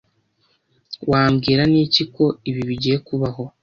Wabwirwa n'iki ko ibi bigiye kubaho?